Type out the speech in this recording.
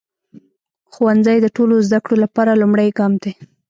ښوونځی د ټولو زده کړو لپاره لومړی ګام دی.